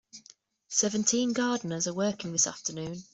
Seventeen gardeners are working this afternoon.